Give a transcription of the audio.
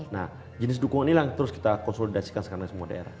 nah jenis dukungan ini yang terus kita konsolidasikan sekarang semua daerah